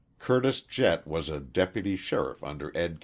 Curtis Jett was a deputy sheriff under Ed.